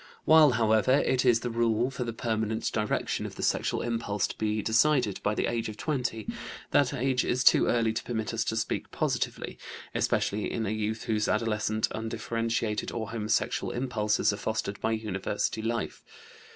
While, however, it is the rule for the permanent direction of the sexual impulse to be decided by the age of 20, that age is too early to permit us to speak positively, especially in a youth whose adolescent undifferentiated or homosexual impulses are fostered by university life.